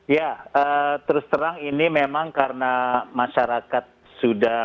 ya terus terang ini memang karena masyarakat sudah